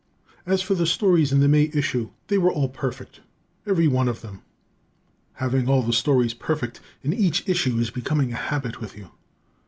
As for the stories in the May issue, they were all perfect, every one of them. Having all the stories perfect in each issue is becoming a habit with you.